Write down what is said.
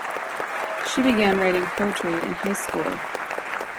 She began writing poetry in high school.